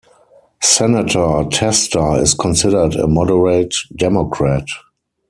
Senator Tester is considered a moderate Democrat.